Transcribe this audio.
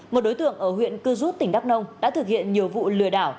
một đối tượng ở huyện cư rút tỉnh đắk nông đã thực hiện nhiều vụ lừa đảo